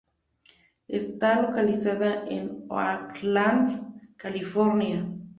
Está localizada en en Oakland, California.